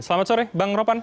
selamat sore bang ropan